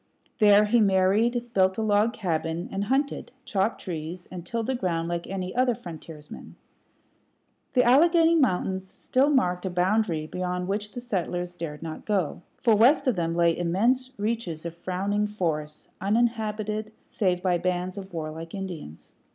There he married, built a log cabin, and hunted, chopped trees, and tilled the ground like any other frontiersman. The Alleghany Mountains still marked a boundary beyond which the settlers dared not go; for west of them lay immense reaches of frowning forest, uninhabited save by bands of warlike Indians.